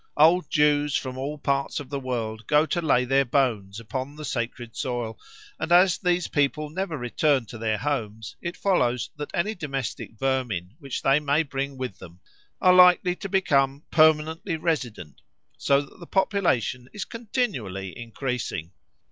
Old Jews from all parts of the world go to lay their bones upon the sacred soil, and as these people never return to their homes, it follows that any domestic vermin which they may bring with them are likely to become permanently resident, so that the population is continually increasing.